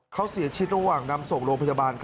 เขาเสียชีวิตระหว่างนำส่งโรงพยาบาล